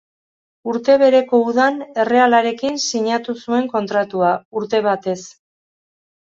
Urte bereko udan errealarekin sinatu zuen kontratua, urte batez.